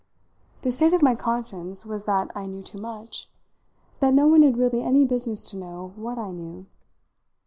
The state of my conscience was that I knew too much that no one had really any business to know what I knew.